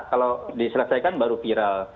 kalau diselesaikan baru viral